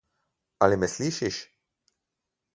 Ali me slišiš?